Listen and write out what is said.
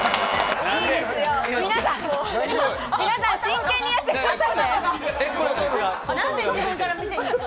皆さん、真剣にやってください。